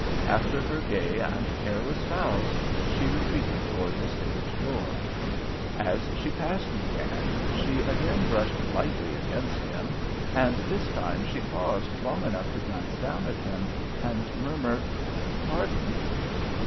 After her gay and careless bows, she retreated toward the stage door. As she passed McKann, she again brushed lightly against him, and this time she paused long enough to glance down at him and murmur, "Pardon!"